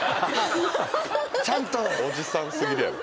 おじさん過ぎるやろ。